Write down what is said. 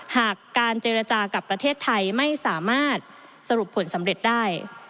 หากการเจรจากับประเทศไทยไม่สามารถสรุปผลสำเร็จได้